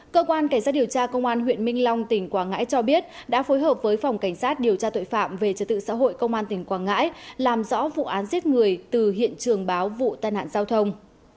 cơ quan cảnh sát điều tra công an huyện minh long tỉnh quảng ngãi cho biết đã phối hợp với phòng cảnh sát điều tra tội phạm về trật tự xã hội công an tỉnh quảng ngãi làm rõ vụ án giết người từ hiện trường báo vụ tai nạn giao thông